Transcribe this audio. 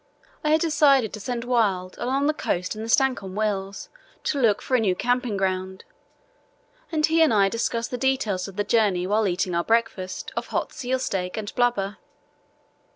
I had decided to send Wild along the coast in the Stancomb Wills to look for a new camping ground, and he and I discussed the details of the journey while eating our breakfast of hot seal steak and blubber.